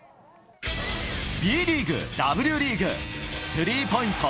Ｂリーグ、Ｗリーグ、スリーポイント